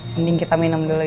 mending kita minum dulu